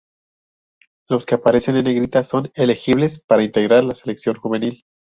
Los que aparecen en Negrita son elegibles para integrar la selección juvenil.